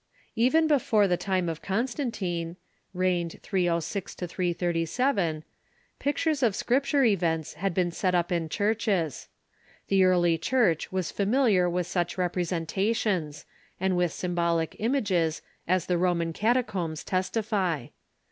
Even before the time of Constantino (reigned 30G 337), pictures of Scripture events had been set up in the churches. The early Church was familiar with such representa tions, and with symbolic images, as the Roman Cata combs testify.